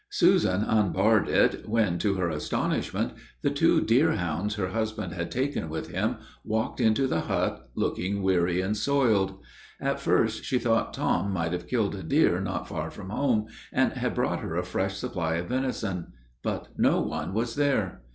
Susan unbarred it, when, to her astonishment, the two deerhounds her husband had taken with him, walked into the hut, looking weary and soiled. At first she thought Tom might have killed a deer not far from home, and had brought her a fresh supply of venison; but no one was there.